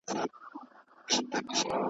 دا دغرونو لوړي څوکي .